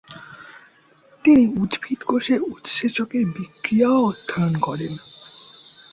তিনি উদ্ভিদকোষে উৎসেচকের বিক্রিয়াও অধ্যয়ন করেন।